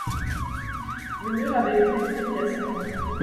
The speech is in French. Le mur avait été détruit il y a cinq ans.